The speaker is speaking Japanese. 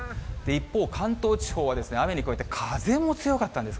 一方、関東地方はですね、雨にこうやって風も強かったんです。